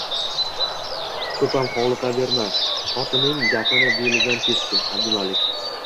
Ko`pam hovliqaverma, xotininingn gapini belidan kesdi Abdumalik